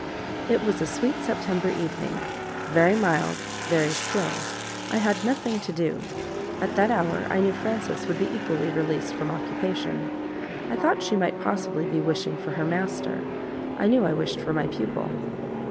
It was a sweet September evening very mild, very still; I had nothing to do; at that hour I knew Frances would be equally released from occupation; I thought she might possibly be wishing for her master, I knew I wished for my pupil.